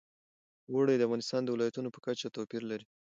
اوړي د افغانستان د ولایاتو په کچه توپیر لري.